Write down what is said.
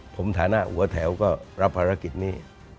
ผมฐานะหัวแถวก็รับภารกิจนี้